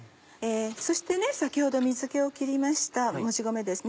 そして先ほど水気を切りましたもち米ですね